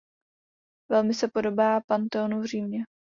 Velmi se podobá Pantheonu v Římě.